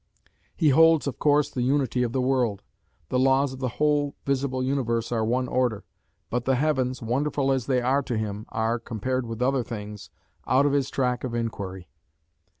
He holds, of course, the unity of the world; the laws of the whole visible universe are one order; but the heavens, wonderful as they are to him, are compared with other things out of his track of inquiry.